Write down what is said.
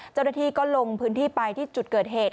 เจ้าหน้าที่ก็ลงพื้นที่ไปที่จุดเกิดเหตุ